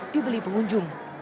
di beli pengunjung